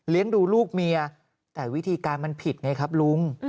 ดูลูกเมียแต่วิธีการมันผิดไงครับลุง